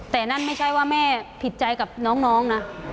แต่นั่นไม่ใช่ว่าแม่ผิดใจกับน้องนะ